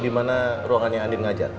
dimana ruangannya adin ngajar